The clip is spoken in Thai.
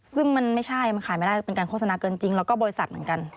ซึ่งมันไม่ใช่มันขายไม่ได้เป็นการโฆษณาเกินจริงแล้วก็บริษัทเหมือนกัน